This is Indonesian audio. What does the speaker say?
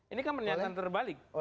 ini kan pernyataan terbalik